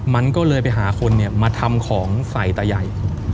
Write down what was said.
มันก็เลยไปหาคนมาทำของใส่ตาใหญ่